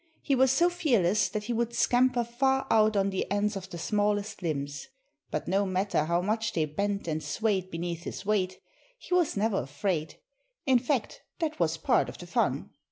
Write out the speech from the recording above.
He was so fearless that he would scamper far out on the ends of the smallest limbs. But no matter how much they bent and swayed beneath his weight, he was never afraid; in fact, that was part of the fun.